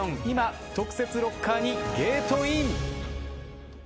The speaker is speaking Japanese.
今特設ロッカーにゲートイン。